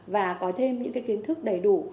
và có thêm những cái kiến thức đầy đủ